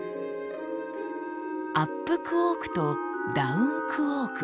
「アップクォーク」と「ダウンクォーク」。